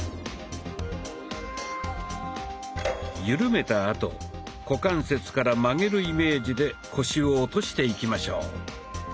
ゆるめたあと股関節から曲げるイメージで腰を落としていきましょう。